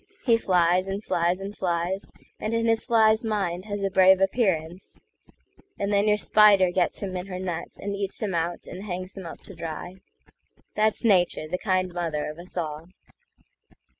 He flies, and flies, and flies, And in his fly's mind has a brave appearance; And then your spider gets him in her net, And eats him out, and hangs him up to dry. That's Nature, the kind mother of us all.